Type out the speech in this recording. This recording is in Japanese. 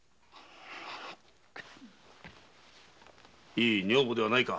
いい女房ではないか。